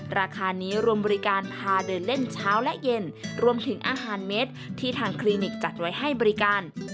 ราคานี้รวมบริการพาเดินเล่นเช้าและเย็นรวมถึงอาหารเม็ดที่ทางคลินิกจัดไว้ให้บริการ